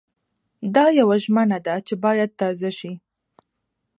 دا يوه ژمنه ده چې بايد تازه شي.